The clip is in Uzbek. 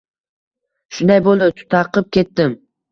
Shunday boʻldi. Tutaqib ketdim.